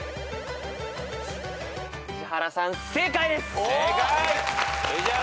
宇治原さん正解です。